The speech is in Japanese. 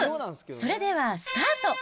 それでは、スタート。